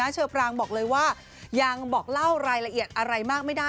เชอปรางบอกเลยว่ายังบอกเล่ารายละเอียดอะไรมากไม่ได้